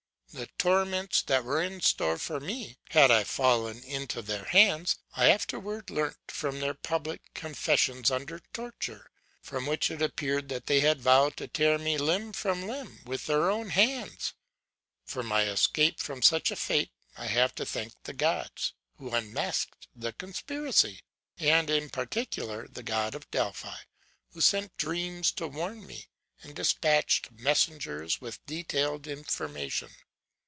The torments that were in store for me, had I fallen into their hands, I afterwards learnt from their public confession under torture, from which it appeared that they had vowed to tear me limb from limb with their own hands. For my escape from such a fate, I have to thank the Gods, who unmasked the conspiracy; and, in particular, the God of Delphi, who sent dreams to warn me, and dispatched messengers with detailed information.